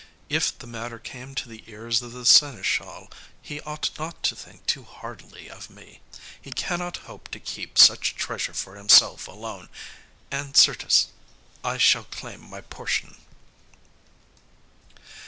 If the matter came to the ears of the seneschal, he ought not to think too hardly of me. He cannot hope to keep such treasure for himself alone; and, certes, I shall claim my portion."